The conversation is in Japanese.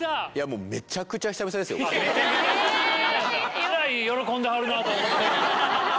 えらい喜んではるなと思った。